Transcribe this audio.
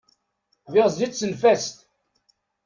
Wir sitzen fest.